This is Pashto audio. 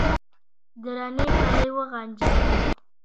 درنې پلې وغنجېدې.